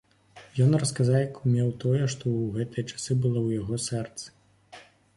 Ён расказаў як умеў тое, што ў гэтыя часы было ў яго сэрцы.